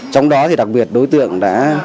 trong đó thì đặc biệt đối tượng đã